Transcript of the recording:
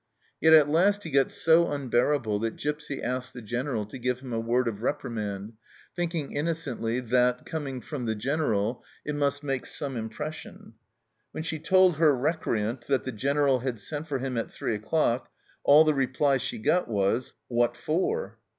Yet at last he got so un bearable that Gipsy asked the General to give him a word of reprimand, thinking innocently that, coming from the General, it must make some impression. When she told her recreant that the General had sent for him at three o'clock, all the reply she got was, " What for